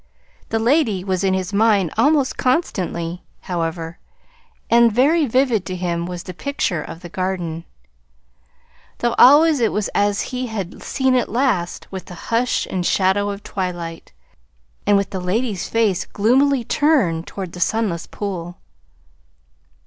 The lady was in his mind almost constantly, however; and very vivid to him was the picture of the garden, though always it was as he had seen it last with the hush and shadow of twilight, and with the lady's face gloomily turned toward the sunless pool.